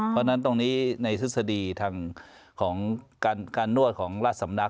เพราะฉะนั้นตรงนี้ในทฤษฎีทางของการนวดของราชสำนัก